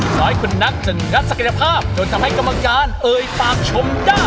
น้อยคุณนักจะงัดศักยภาพจนทำให้กรรมการเอ่ยปากชมได้